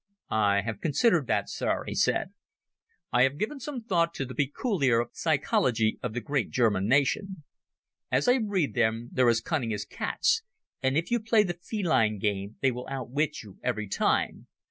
"I have considered that, Sir," he said. "I have given some thought to the pecooliar psychology of the great German nation. As I read them they're as cunning as cats, and if you play the feline game they will outwit you every time.